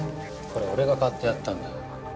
これ俺が買ってやったんだ。